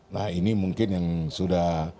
nah ini mungkin yang sudah